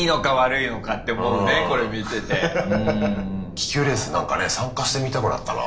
気球レースなんかね参加してみたくなったな。